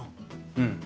うん。